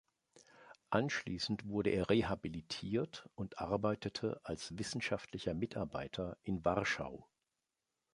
Anschließend wurde er rehabilitiert und arbeitete als wissenschaftlicher Mitarbeiter in Warschau.